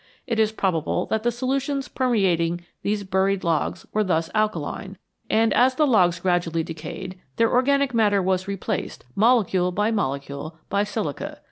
It is probable that the solutions permeating these buried logs were thus alkaline, and as the logs gradually decayed their organic matter was replaced, molecule by molecule, by silica.